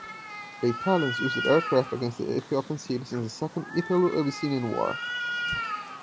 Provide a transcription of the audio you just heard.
The Italians used aircraft against the Ethiopian cities in the Second Italo-Abyssinian War.